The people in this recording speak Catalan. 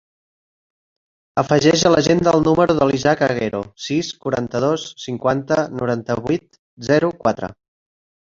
Afegeix a l'agenda el número de l'Isaac Aguero: sis, quaranta-dos, cinquanta, noranta-vuit, zero, quatre.